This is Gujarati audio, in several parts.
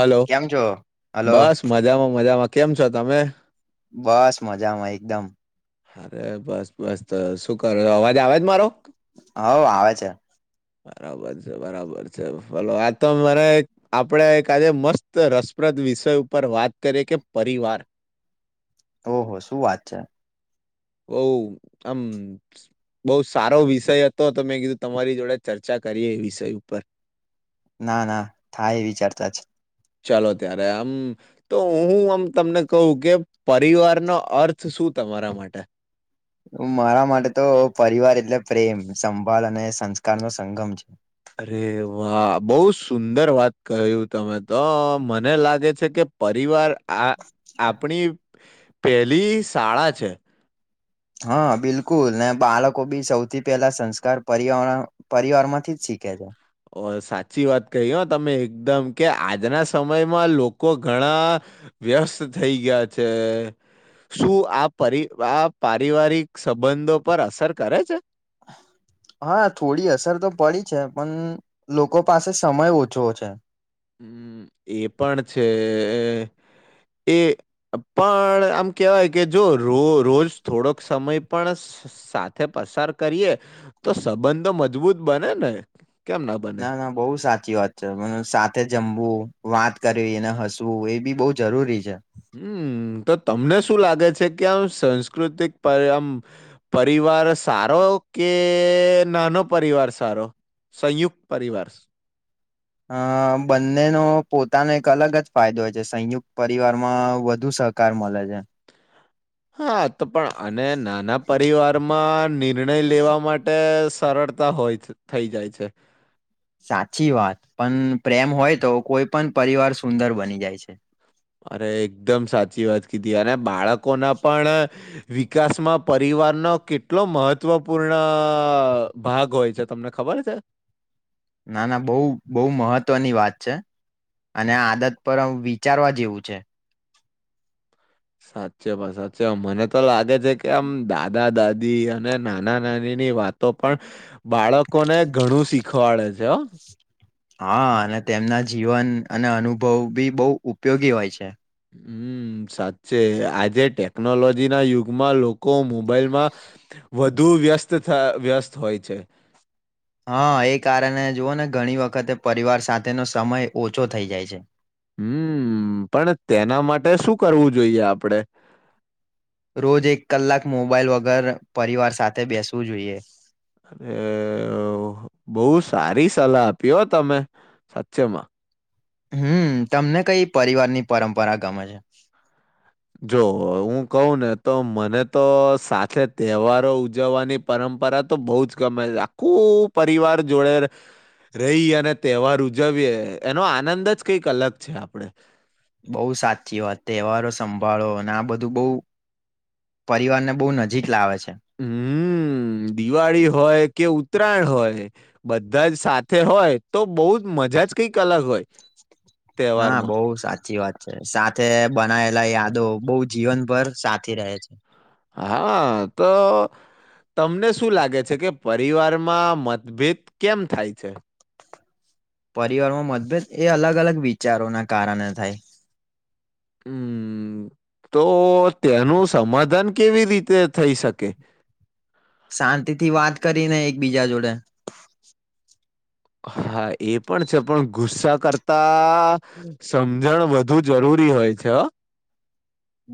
હલો. કેમ છો હલો બસ મજામાં મજામાં કેમ છો તમે? બસ મજામાં એકદમ. અરે બસ બસ શું કરો. અવાજ આવેજ મારો? હોવ આવે છે. બરાબર છે. બરાબર છે. હલો આ તો મારે આપડે કાલે મસ્ત રસ પ્રદ વિષય ઉપર વાત કરીકે પરિવાર ઓહો શું વાત છે?. ઓહ આમ બહુ સારો વિષય હતો. તો મેં કીધું તમારી જોડે ચર્ચા કરીએ એ વિષય ઉપર ના ના થાય વિચારતા જ ચાલો ત્યારે, આમ તો હું આમ તમને કહું કે પરિવારનો અર્થ શું? તમારા માટે. મારા માટે તો પરિવાર એટલે પ્રેમ, સંભાળ અને સંસ્કાર નો સંગમ છે. અરે વાહ! બહુ સુંદર વાત કહ્યું તમે તો. મને લાગે છે કે પરિવાર આ આપણી પેલી શાળા છે. હા બિલકુલ. ને બાળકો બી સૌથી પહેલા સંસ્કાર પરવાર પરિવાર માંથી જ શીખે છે. અ સાચી વાત કહી હો તમે એકદમ, કે આજના સમયમાં લોકો ઘણા વ્યસ્ત થઈ ગયા છે. શું આ પરિવા આ પારિવારિક સંબંધો પર અસર કરે છે? [unintelligible] હા થોડી અસર તો પડી છે. પણ લોકો પાસે સમય ઓછો છોછે. હમ્મ એ પણ છે એ પણ આમ કેવાય કે જો રો રોજ થોડોક સમય પણ સ સાથે પસાર કરીએ તો સંબંધો મજબૂત બને ને. કેમ બને ના ના બહુ સાચી વાત છે. મ સાથેજ જમવું, વાત કરવી એને હસવું એ બી બઉુ જરૂરી છે. હમ્મ તો તમને શું લાગે છે. કે આમ સાસ્કૃતિક પર આમ પરી વાર સારો, કે નાનો પરિવાર સારો? સંયુક્ત પરવાર. અ બંનેનો પોતાનો એક અલગ જ ફાયદો હોય છે. સંયુક્ત પરિવાર માં વધુ સહકાર મળે છે. હા તો પણ અને નાના પરિવારમાં નિર્ણય લેવા માટે સરળતા હોય થઈ જાય છે. સાચી વાત. પણ પ્રેમ હોય તો કોઈ પણ પરિવાર સુંદર બની જાય છે. અરે એકદમ સાચી વાત કીધી. અને બાળકોના પણ વિકાસમાં પરિવારનો કેટલો મહત્વપૂર્ણ ભાગ હોય છે તમને ખબર છે? ના ના બહુ બહુ મહત્વની વાત છે. અને આદત પર વિચારવા જેવું છે. સાચે ભાઈ સાચે મને તો લાગે છે કે આમ દાદા દાદી અને નાના નાની ની વાતો પણ બાળકોને ઘણું શીખવાડે છે હો. હા અને તેમના જીવન અને અનુભવ બી બહુ ઉપયોગી હોય છે. હમ્મ. સાચે આજે ટેકનોલોજી ના યુગમાં લોકો મોબાઈલમાં વધુ વ્યસ્ત થય વ્યસ્ત હોય છે. હા એ કારણે જુઓ ને ઘણી વખતે પરિવાર સાથેનો સમય ઓછો થઈ જાય છે. હમ્મ, પણ તેના માટે શું કરવું જોઈએ આપડે? રોજ એક કલાક મોબાઈલ વગર પરિવાર સાથે બેસવું જોઈએ. હવે અ બહ સારી સલાહ આપી હો તમે સાચેમાં. હમ્મ, તમને કઈ પરિવારની પરંપરા ગમે છે? જો હું કહું ને તો મને તો સાથે તહેવારો ઉજવવાની પરંપ પરા તો બહુ જ ગમે છે આખું પરિવાર જોડે રહી અને તહેવાર ઉજવીએ એનો આનંદ જ કઈક અલગ છે આપડે. બઉ સાચી વાત તહેવારો સંભાળો અને આ બધું બઉ પરિવારને બહુ નજીક લાવે છે. હમ્મ. હમ્મ, દિવાળી હોય કે ઉત્તરાયણ હોય બધા જ સાથે હોય તો બઉ જ મજા જ કઈક અલગ હોય. ના તહેવારમાં બહુ સાચી વાત. છે. સાથે બનાયેલા યાદો બહુ જીવનભર સાથી રહે છે. હા તો. તમને શું લાગે છે કે પરિવારમાં મતભેદ કેમ થાય છે? પરિવારમાં મતભેદ એ અલગ અલગ વિચારોના કારણે થાય. હમ્મ. તો તેનું સમાધાન કેવી રીતે થઈ શકે? શાંતિ થી વાત કરીને એકબીજા જોડે. હા, એ પણ છે પણ ગુસ્સા કરતા સમજણ વધુ જરૂર રી હોય છે.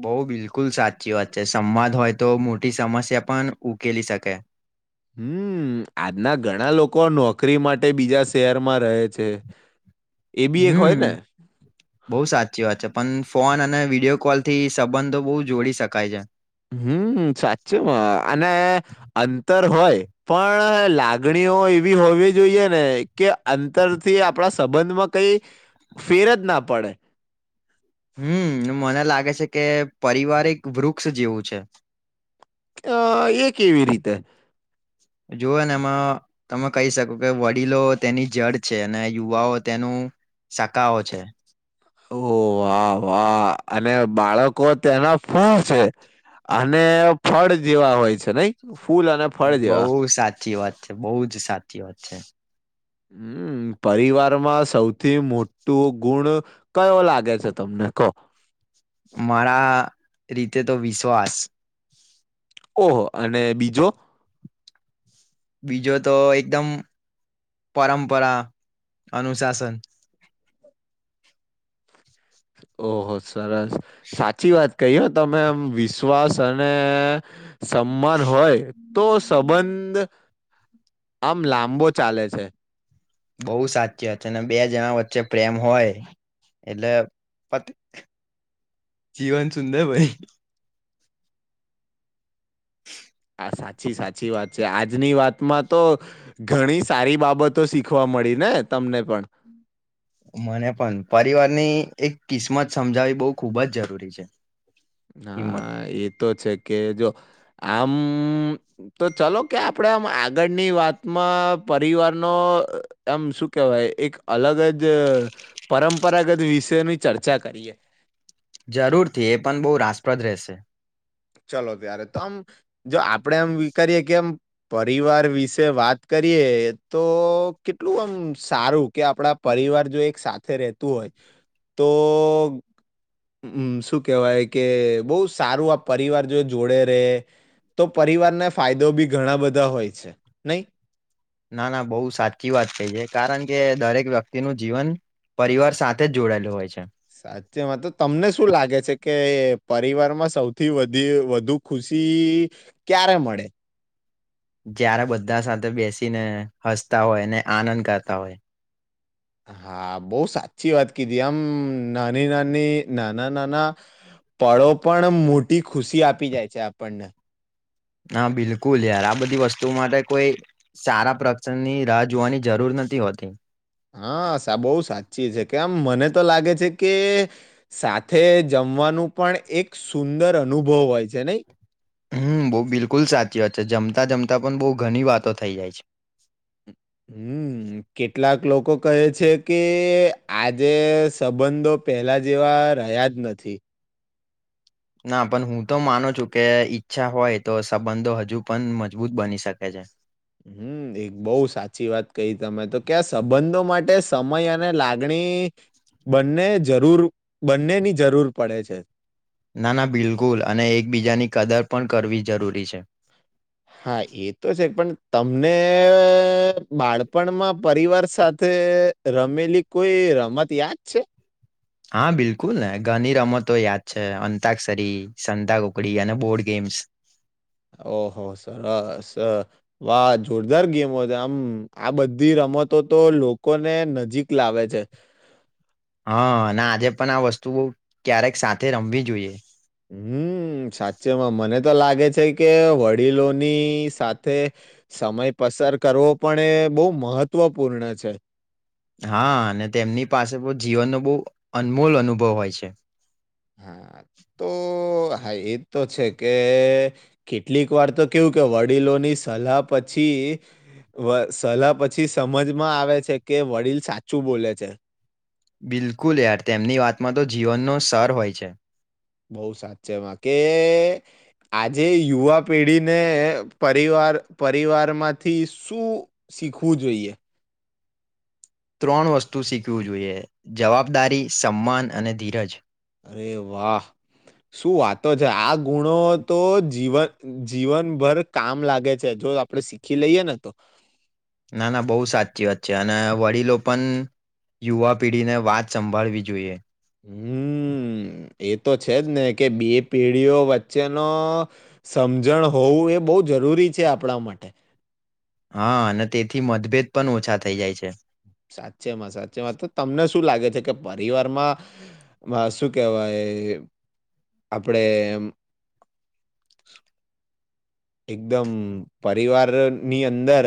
બઉ બિલકુલ સાચી વાત છે સંવાદ હોય તો મોટી સમસ્યા પણ ઉકેલી શકે. હમ્મ, આજના ઘણા લોકો નો નોકરી માટે બીજા શહેરમાં રહે છે એ બી એક હોય ને. બઉ સાચી વાત છે પણ ફોન અને વિડીયો કોલ થી સંબંધો બહુ જોડી શકાય છે. હમ્મ, સાચીમાં અને અંતર- હોય પણ લાગણીઓ એવી હોવી જોઈએ ને કે અંતરથી આપણા સ- સંબંધમાં કઈ ફેર જ ના પડે. હમ્મ ને મને લાગે છે કે પરિવાર એક વૃક્ષ જેવું છે. અ એ કેવી રીતે? જોઓ ને એમાં તમે કહી શકો કે વડીલો તેની જડ છે અને યુવાઓ તેનું શાકાઓ છે. ઓહ વાહ વાહ અને બાળકો તેના ફળ છે. અને ફળ જેવા હોય છે નઈ ફૂલ અને ફળ જેવા. બહુ સાચી વાત છે બહુ જ સાચી વાત છે. હમ્મ. પરિવારમાં સૌથી મોટું ગુણ કયો લાગે છે તમને કો? મારા રીતે તો વિશ્વાસ. ઓહો અને બીજો બીજો તો એકદમ. પરંપરા અનુશાસન. [inaudible] ઓહો સરસ સાચી વાત કહી તમે એમ વિશ્વાસ અને સમાન હોય. તો સંબંધ આમ લાંબો ચાલે છે. બઉ સાચી છે ને બે જણા વચ્ચે પ્રેમ હોય. એટલે જીવન સુંદર હોય. [inaudible] આ સાચી સાચી વાત છે આજની વાતમાં તો ઘણી સારી બાબતો શીખવા મળી ને તમને પણ. મને પણ પરિવારની એક કિસ્મત સમજાવી બો ખુબ જ જરૂરી છે. કિંમત ના એ તો છે કે જો આમ તો ચલો કે આપડે આમ આગળની વાતમાં પરિવાર નો એમ શું કેવાય એક અલગ જ પરંપરાગત વિષયોની ચર્ચા કરીએ. જરૂરથી એ પન બો રાસપ્રદ રહેશે. ચલો ત્યારે તો આમ જો આપડે આમ કરીએ કે એમ પરિવાર વિશે વાત ક રીએ તો કેટલું આમ સારું કે આપડા પરિવાર જો એક સાથે રેતું હોય તો હમ શું કેવાય કે બો સારું આ પરિવાર જો જોડે રે તો પરિવારને ફાયદો બી ઘણા બધા હોય છે નઈ ના ના બોવ સાચી વાત કઈ છે કારણ કે દરેક વ્યક્તિનું જીવન પરિવાર સાથે જ જોડાયેલું હોય છે સાચેમાં તો તમને શું લાગે છે કે પરિવારમાં સૌથી વધી વધુ ખુશ છી ક્યારે મળે? જ્યારે બધા સાથે બેસીને હસતા હોય ને આનંદ કરતા હોય. હા બો સાચી વાત કીધી આમ નાની નાની નાના નાના પળો પણ મોટી ખુશી આપી જાય છે આપણને. ના બિલકુલ યાર આ બધી વસ્તુઓ માટે કોઈ સારા પ્રસંગ ની રાહ જોવાની જરૂર નથી હોતી. હા સાબો બઉ સાચી છે કેમ મને તો લાગે છે કે સાથે જ મવાનું પણ એક સુંદર અનુભવ હોય છે નઈ. હમ બો બિલકુલ સાચી વાત છે જમતા જમતા પણ બો ઘણી વાતો થઈ જાય છે. હમ. કેટલાક લોકો કહે છે કે આજે સંબંધો પહેલા જેવા રહ્યા જ નથી. ના પન હું તો માનું છું કે ઈચ્છા હોય તો સંબંધો હજુ પણ મજબૂત બની શકે છે. હમ દેય બોઉ સાચી વાત કઈ તમે તો ક્યા સંબંધો માટે સમય અને લાગણી બંને જરૂર બંનેની જરૂર પડે છે. નાના બિલકુલ અને એકબીજાની કદર પણ કરવી જરૂરી છે. હા એ તો છે પણ તમને બાળપણમાં પરિવાર સાથે રમેલી કોઈ રમત યાદ છે. હા બિલકુલ ને ઘની રમતો યાદ છે અંતાક્ષસરી સંતા કુકડી અને બોર્ડ ગેમ. [inaudible] ઓહો સરસ. વાહ જોરદાર ગેમો છે આમ આ બધી રમતો તો લોકોને નજીક લાવે. છે. હા અને આજે પણ આ વસ્તુ બોવ ક્યારેક સાથે રમવી જોઈએ. હમ. હમ સાચમાં મને તો લાગે છે કે વડીલોની સાથે સમય પ સર કરવો પણ એ બો મહત્વપૂર્ણ છે. હા અને તેમની પાસે બો જીવનનો બો અનમોલ અનુભવ હોય છે. હા તો હા એતો છે કે કેટલીક વાર તો કેવું કે વડીલોની સલાહ પછી કે વ સલાહ પછી સમજમાં આવે છે કે વડીલ સાચું બોલે છે. બિલકુલ યાર તેમની વાતમાં તો જીવનનો સર હોય છે. બોઉ સાચે માં કે આજે યુવા પેઢીને પરિવા વાર પરિવાર માંથી શું શીખવું જોઈએ? ત્રણ વસ્તુ શીખવું જોઈએ જવાબદારી સમાન અને ધીરજ. અરે વાહ શું વાતો છે આગ ગુણો તો જીવન જીવનભર કામ લાગે છે જો આપડે શીખી લઈએ ને તો. [inaudible] ના ના બહુ સાચી વાત છે અને વડીલો પણ યુવા પીઢીને વાત સંભાળવી જોઈએ. હમ એ તો છે જ ને કે બે પેઢીઓ વચ્ચેનો સમજણ હોવું એ બહુ જ જરૂરી છે આપડા માટે. હા અને તેથી મતભેદ પણ ઓછા થઈ જાય છે. સાચે માં સાચેમાં તો તમને શું લાગે છે કે પરિવારમાં શું કેવાય. આપડે એમ. એકદમ પરિવાર ની અંદર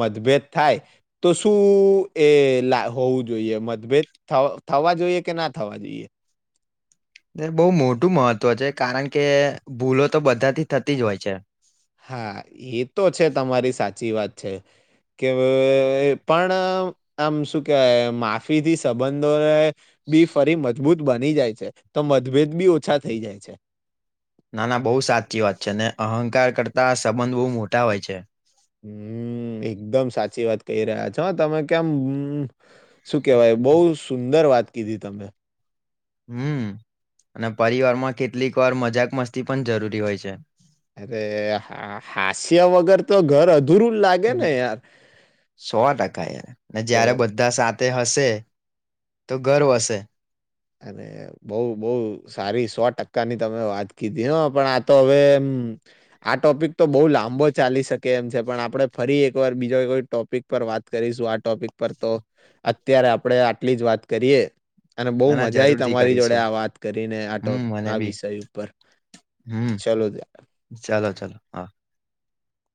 મતભેદ થાય તો શું? એ હોવું જોઈએ મતભેદ થવા જોઈએ કે ના થવા જોઈએ? દેક બઉ મોટું મહત્ત્વ છે કારણ કે ભૂલો તો બધાથી થતી જ હોય છે. હા એ તો છે તમારી સાચી વાત છે. કે પણ આમ શું કેવાય માફીથી સંબંધોને બી ફરી મજબૂત બની જાય છે તો મતભેદ બી ઓછા થઈ જાય છે. નાના બઉ સાચી વાત છે ને અહંકાર કરતા સંબંધ બઉ મોટા હોય છે. હમ એકદમ સાચી વાત કહી રહ્યા છો તમે કેમ શું કેવાય બઉ સુંદર વાત કીધી તમે. હમ અને પરિવારમાં કેટલીક વાર મજાક મસ્તી પણ જરૂરી હોય છે. અરે હાસ્ય વગર તો ઘર અ સો ટકા યાર ને તો જ્યારે બધા સા તે હશે તો ગર્વ હશે. અને બઉ બઉ સારી સો ટકાની તમે વાત કીધી પણ આતો હવે હમ. આ ટોપિક તો બહ લાંબો ચાલી શકે એમ છે પણ આપડે ફરી એકવાર બીજો કોઈ ટોપિક પર વાત કરીશું આ ટોપિક પર તો અત્યારે આપડ આટલી જ વાત કરીએ અને બઉ ના મ ના જાઈ જરૂરથી તમારી જોડે કરીશું આ વાત કરીને આ ટો હમ મને આ બી વિષય ઉપર. હમ ચલો ચાલો ચાલો હા.